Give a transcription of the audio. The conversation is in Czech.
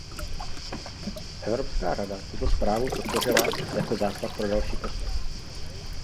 Evropská rada tuto zprávu podpořila jako základ pro další postup.